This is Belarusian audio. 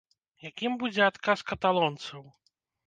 Якім будзе адказ каталонцаў?